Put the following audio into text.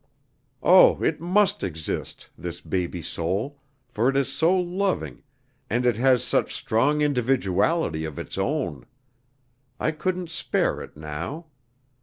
Oh, it must exist, this baby soul, for it is so loving, and it has such strong individuality of its own! I couldn't spare it now.